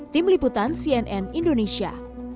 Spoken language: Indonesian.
tim liputan cnn indonesia